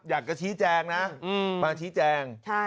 อยากจะชี้แจงนะมาชี้แจง